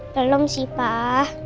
belum sih pak